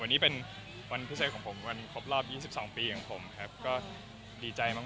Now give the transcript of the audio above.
วันนี้เป็นวันพิเศษของผมวันครบรอบ๒๒ปีอย่างผมครับก็ดีใจมาก